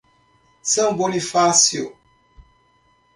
São Bonifácio